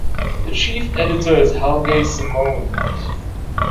The chief editor is Helge Simonnes.